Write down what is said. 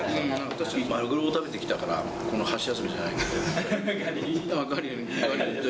マグロを食べてきたから、この箸休めじゃないけど。